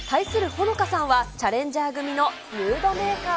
ホノカさんは、チャレンジャー組のムードメーカー。